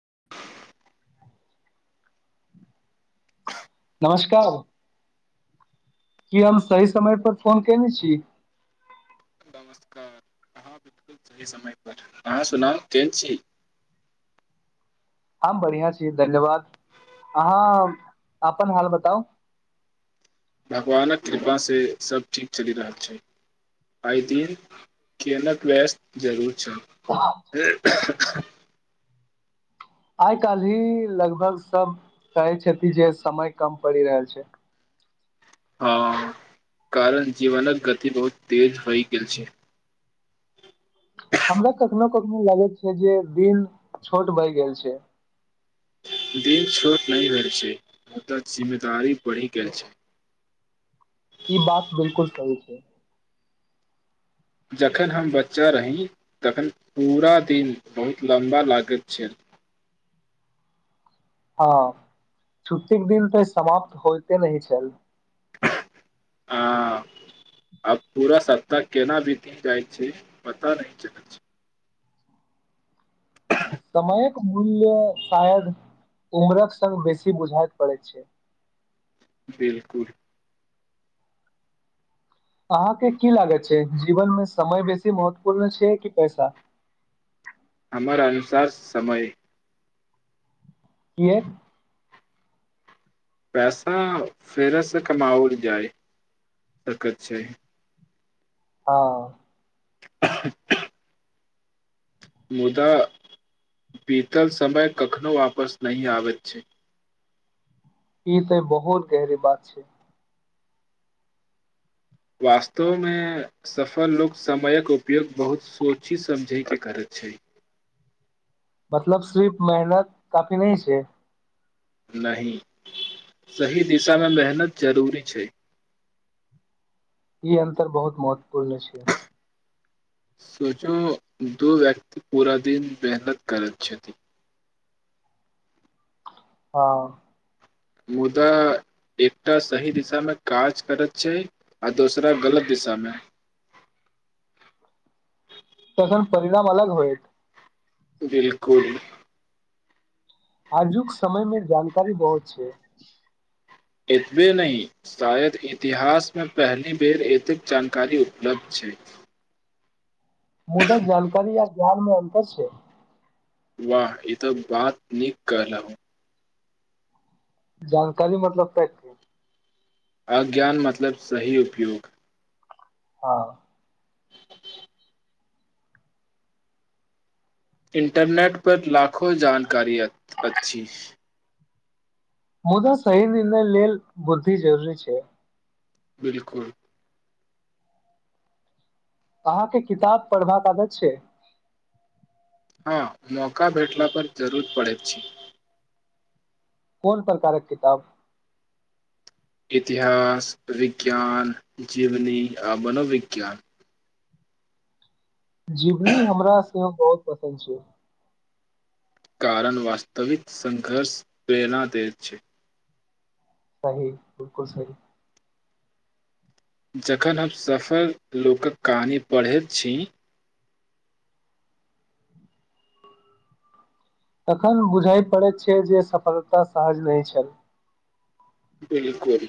[unintelligible] नमस्कार की हम सहि समयपर फोन कयने छी नमस्कार अहाँ बिलकुल सही समय पर अहाँ सुनाऊ केहन छी हम बढ़िआँ छी धन्यवाद अहाँ अपन हाल बताउ भगवानक कृपा से सब ठीक चलि रहल छै आइ दिन कनिक व्यस्त जरूर अच्छा आइ काल्हि लगभग सब कहै छथि जे समय कम पड़ि रहल छै हँ कारण जीवनकक गति बहुत तेज होइ गेल छै हमरा कखनो कखनो लागैत छै जे दिन छोट भऽ गेल छै दिन छोट नहि भेल छै मुदा जिम्मेदारी बढ़ि गेल छै ई बात बिलकुल सही छै जखन हम बच्चा रही तखन पूरा दिन बहुत लम्बा लागैत छल हँ छुट्टीके दिन तऽ समाप्त होइते नहि छल आ आब पूरा सप्ताह केना बीत जाइ छै पता नहि चलै छै समयके मूल्य शायद उम्रक संग बेसी बुझाएत पड़ै छै बिलकुल अहाँके की लागैत छै जीवन मे समय बेसी महत्वपूर्ण छै कि पैसा हमर अनुसार समय कियक पैसा फेरसँ कमाएल जाइ सकैत छै हँ [inaudible] मुदा बीतल समय कखनो वापस नहि आबैत छै ई त बहुत गहिर बात छै वास्तवमे सफल लोक समयक उपयोग बहुत सोचि समझिके करैत छै मतलब सिर्फ मेहनत काफी नहि छै नहि सही दिशामे मेहनत जरूरी छै ई अन्तर बहुत महत्वपूर्ण छै सोचो दो व्यक्ति पूरा दिन मेहनत करैत छथि हँ मुदा एकटा सही दिशामे काज करैत छै आ दोसरा गलत दिशामे तखन परिणाम अलग होएत बिलकुल आजुक समय मे जानकारी बहुत छै एतबे नहि शायद इतिहासमे पहिल बेर एतेक जानकारी उपलब्ध छै मुदा जानकारी आ ज्ञानमे अन्तर छै वाह ई तऽ बात निक कहलौं जानकारी मतलब ताकिके अज्ञान मतलब सही उपयोग हँ [inaudible] इंटरनेट पर लाखो जान कारि तऽ अछि मुदा शही निर्णय लेल बुद्धि जरूरी छै बिलकुल अहाँके किताब पढ़बाक आागत छै हँ मौका भेटला पर जरर पड़ैत छै कोन प्रकारक किताब इतिहास विज्ञान जीवनी आ मनोविज्ञान जिवनी हमराँ सेहो बहुत पसन्द छै कारण वास्तविक संघर्ष प्रेरणादय छै सही बिलकुल सही जखन हम सफल लोकक कहानी पढ़ैत छी तखन बुझइ पड़ैत छै जे सफलता सहज नहि छल बिलकुल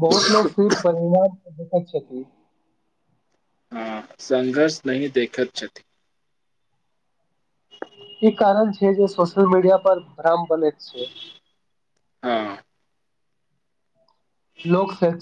बहुत लोकग सिर्फ पंजाब देख छथि त हँ संघर्ष नहि देखैत छथि ई कारण छै जे सोशियल मीडिया पर भ्रम बनय छै हँ लोक सोच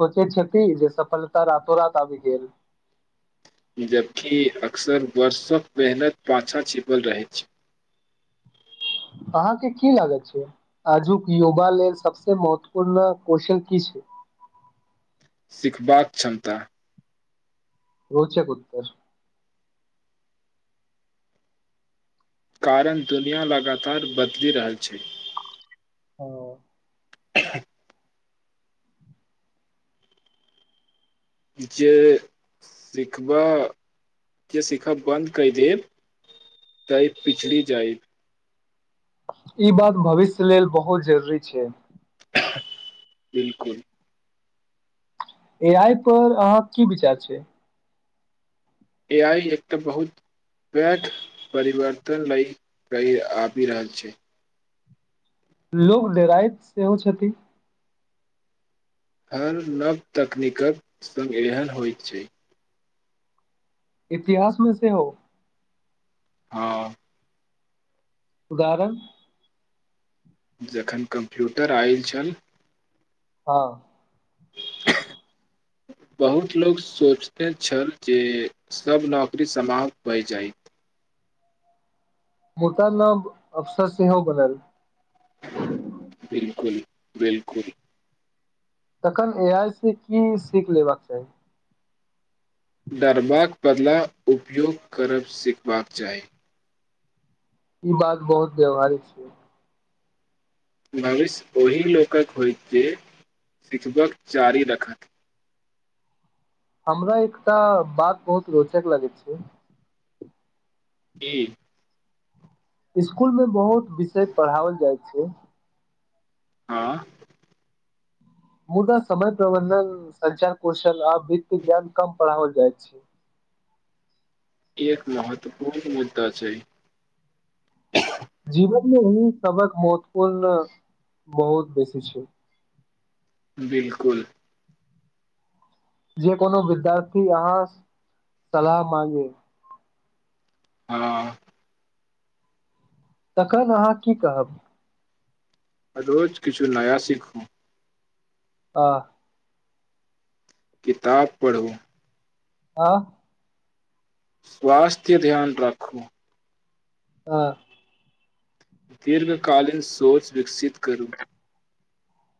सोचैत छथि जे सफलता रातो रात आबि गेल जबकि अक्सर वर्षक मेहनत पाछा छिपल रहैत छै अहाँके की लागत छै आजुक युवा लेल सबसे महत्वपूर्ण कौशल की छै सिखबाक क्षमता रौचक उत्तर कारण दुनिया लगातार बदलि रहल छै ओ [inaudible] जे सिखबा जे सिखा बन्द कर देब त ई पिछड़ी जाइ ई बात भविष्य लेल बहुत जरूरी छै बिलकुल ए आइ पर अहाँ की विचार छै ए आइ एकटा बहुत बैध परिवर्तन ल कहि आबि रहल छै लोको लडराइत सेहो छथिन हर नव तकनीकक संग ग्रहण होइत छै इतिहासमे सेहो हँ उदाहरण जखन कम्प्यूटर आयल छल हँ बहुत लोक सोचते छल जे सब नौकरी समाप्त होए जाइ मुत न अफसर सेहो बनल बिलकुल बिलकुल तखन ए आइ सी की सीख लेबाक चाही डरबाक बदला उपयोग करब सिखबाक चाही ई बात बहुत व्यवहारिक छियै भविष्य ओहि लोकक होय जे सिखबक चारि रखत हमरा एकटा बात बहुत रोचक लगैत छै की स्कुल मे बहुत विषय पढ़ाओल जाइ छै आँ मुदा समय प्रबंधन संचार कौशल आ वित्त ज्ञान कम पढ़ाओल जाय छी ई एक महत्वपूर्ण मुद्दा छै जीवनमे हं सभक मत्वपूर्ण बहुत बेसी छै बिलकुल जे कोनो विद्यार्थी अहाँ सलाह मांगे हँ तखन अहाँ की कहब रोज किछु नया सीखू ताह किताब पढ़ू अं स्वास्थ्य ध्यान राखू हँ दीर्घकालीन सोच विकसित करू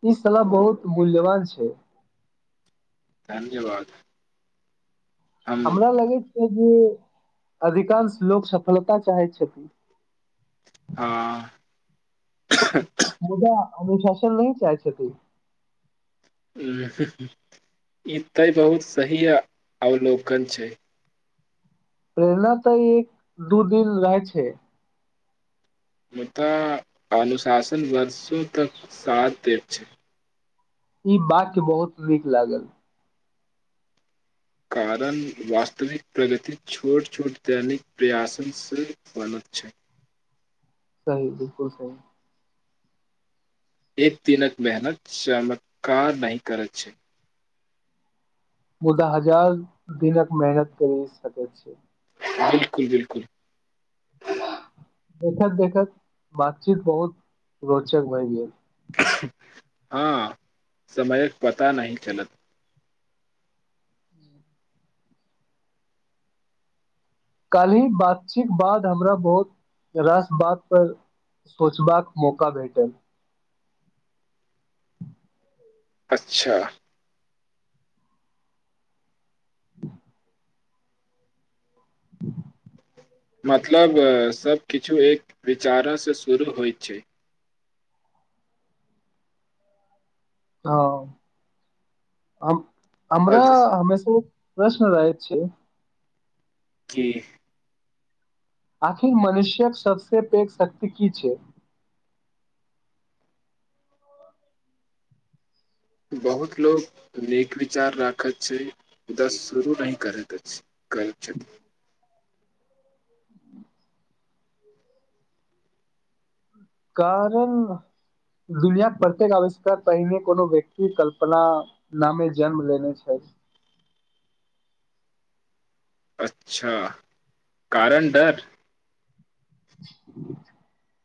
ई सलाह बहुत मूल्यवान छै धन्यवाद हम हमरा लगय छै जे अधिकांश लोक सफलता चाहैत छथिन हँ मुदा अनुशासन नहि चाही छ की ई तै बहुत सही अवलोकन छै प्रेरणा तऽ ई दू दिन रहय छै मुदा अनुशासन बरसो तक साथ दै छै ई वाक्य बहुत नीक लागल कारण वास्तविक प्रगति छोट छोट दैनिक प्रयासनसँ बनैत छै सही बिलकुल सही एक दिनक मेहनत चमत्कार नहि करैत छै मुदा हजार दिनक मेहनत कर सकय छै बिलकुल बिलकुल देखैत देखैत बातचीत बहुत रोचक भए गेल हँ समयक पता नाहि चलत काल्हि बातचीत बाद हमरा बहुत रास बातपर सोचबाक मौका भेटल अच्छा [inaudible] मतलब सभकिछु एक विचारोसँ शुरू होइत छै हॅं हम अ हमरा हमेश प्रश्न रहय छै की आखिर मनुष्य्यक सबसे पैघ शक्ति की छै बहुत लोक नीक विचार राखैत छै दस शुरू नहि करैत अछि कयल छथ कारण दुनिया प्रत्येक आविष्कार पहिने कोनो व्यक्ति कल्पना नामे जन्म लेने छै अच्छा कारण डर [unintelligible]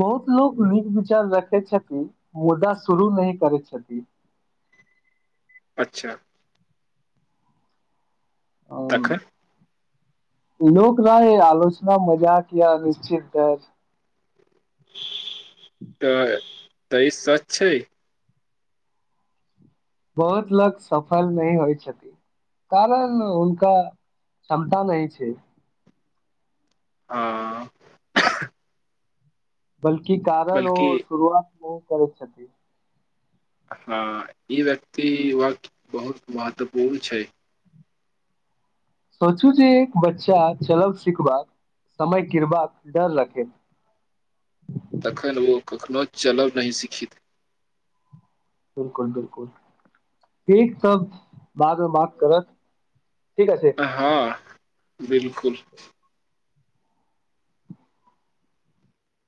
बहुत लोक नीक विचार रखय छथिन मुद्दा शुरू नहि करय छथिन अच्छा अम, तखन लोक रहय आलोचना मजाक या निश्चित दर तऽ त ई सच छै बहुत लोक सफल नहि होइ छथिन कारण हुनका क्षमता नहि छै हँ बल्कि कारण ओ बल्कि शुरुआत बहुत करै छथिन हँ ई व्यक्ति वक्त बहुत महत्वपूर्ण छै सोचू जे एक बच्चा चलब सिखबाक समय गिरबाक डर रखय तखन ओ कखनो चलब नहि सीखत बिलकुल बिलकुल ठीक त बाद मे बात करब ठीक अछि हँ बिलकुल